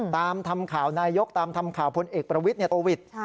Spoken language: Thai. ตามทำข่าวนายกตามทำข่าวพลเอกประวิทย์โควิด